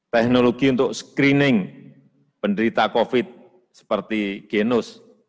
teknologi untuk screening penderita covid sembilan belas seperti genos